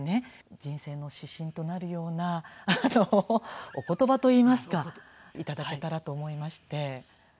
人生の指針となるようなお言葉といいますか頂けたらと思いまして。